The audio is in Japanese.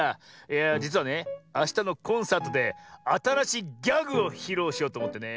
いやあじつはねあしたのコンサートであたらしいギャグをひろうしようとおもってね。